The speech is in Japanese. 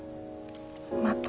また。